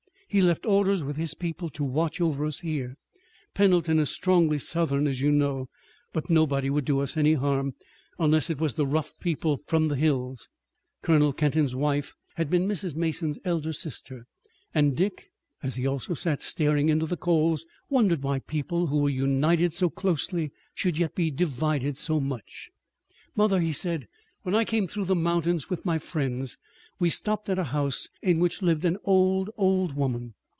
He left orders with his people to watch over us here. Pendleton is strongly Southern as you know, but nobody would do us any harm, unless it was the rough people from the hills." Colonel Kenton's wife had been Mrs. Mason's elder sister, and Dick, as he also sat staring into the coals, wondered why people who were united so closely should yet be divided so much. "Mother," he said, "when I came through the mountains with my friends we stopped at a house in which lived an old, old woman.